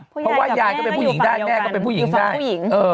เพราะว่ายายก็เป็นผู้หญิงได้แม่ก็เป็นผู้หญิงได้ผู้หญิง